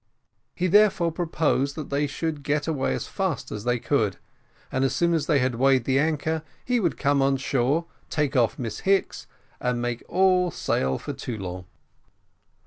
He therefore proposed that they should get away as fast as they could, and as soon as they had weighed the anchor, he would come on shore, take off Miss Hicks, and make all sail for Toulon.